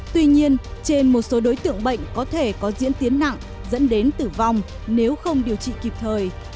tuy nhiên trên một số đối tượng bệnh có thể có diễn tiến nặng dẫn đến tử vong nếu không điều trị kịp thời